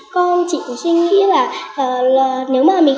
con chỉ suy nghĩ là nếu mà mình có thể